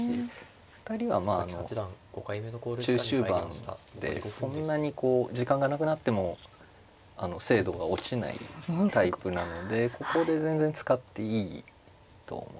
２人はまああの中終盤でそんなにこう時間がなくなっても精度が落ちないタイプなのでここで全然使っていいと思いますね。